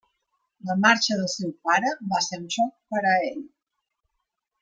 La marxa del seu pare va ser un xoc per a ell.